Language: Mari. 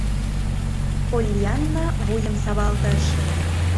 Поллианна вуйым савалтыш.